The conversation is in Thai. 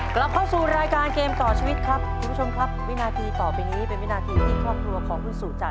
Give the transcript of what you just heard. กลับเข้าสู่รายการเกมต่อชีวิตครับคุณผู้ชมครับวินาทีต่อไปนี้เป็นวินาทีที่ครอบครัวของคุณสู่จะ